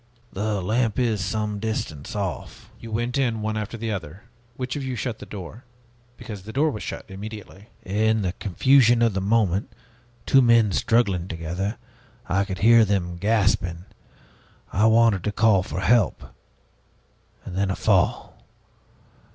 "The lamp is some distance off." "You went in one after the other. Which of you shut the door? Because the door was shut immediately." "In the confusion of the moment two men struggling together I could hear them gasping I wanted to call for help then a fall!